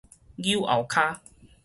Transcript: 搝後跤